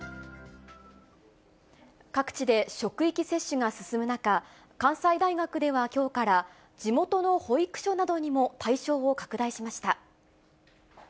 各地で職域接種が進む中、関西大学ではきょうから、地元の保育所などにも対象を拡大しました。